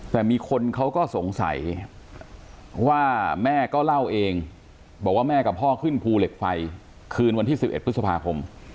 แต่มีคนเขาก็สงสัยว่าแม่ก็เล่าเองบอกว่าแม่กับพ่อขึ้นภูเหล็กไฟคืนวันที่๑๑พฤษภาคม